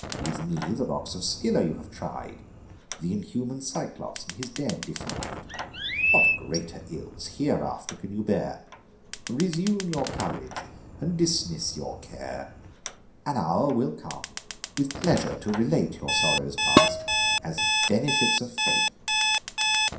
With me, the rocks of Scylla you have tried; Th' inhuman Cyclops and his den defied. What greater ills hereafter can you bear? Resume your courage and dismiss your care, An hour will come, with pleasure to relate Your sorrows past, as benefits of Fate.